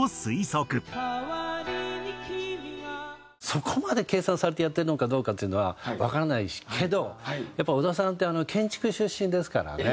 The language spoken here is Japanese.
そこまで計算されてやってるのかどうかっていうのはわからないけどやっぱり小田さんって建築出身ですからね。